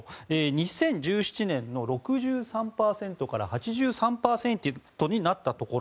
２０１７年の６３％から８３％になったところ。